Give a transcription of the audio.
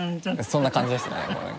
そんな感じでしたね。